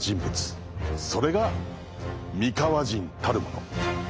それが三河人たるもの。